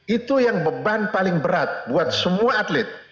itu yang beban paling berat buat semua atlet